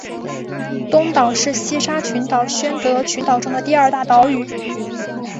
东岛是西沙群岛宣德群岛中的第二大的岛屿。